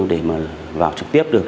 để mà vào trực tiếp được